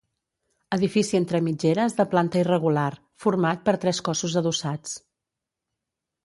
Edifici entre mitgeres de planta irregular, format per tres cossos adossats.